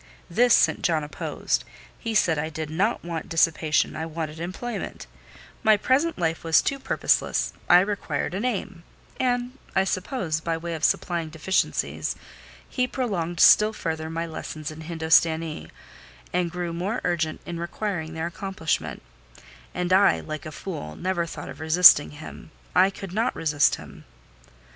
This St. John opposed; he said I did not want dissipation, I wanted employment; my present life was too purposeless, I required an aim; and, I suppose, by way of supplying deficiencies, he prolonged still further my lessons in Hindostanee, and grew more urgent in requiring their accomplishment: and I, like a fool, never thought of resisting him—I could not resist him.